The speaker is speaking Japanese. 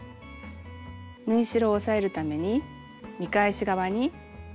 縫い代を押さえるために見返し側にステッチをかけます。